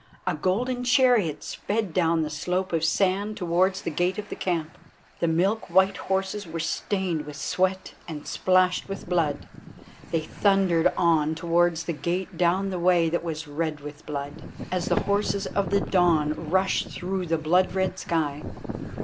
A golden chariot sped down the slope of sand towards the gate of the camp. The milk white horses were stained with sweat and splashed with blood. They thundered on towards the gate down the way that was red with blood, as the horses of the dawn rush through the blood red sky.